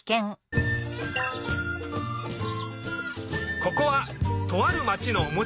ここはとあるまちのおもちゃやさん。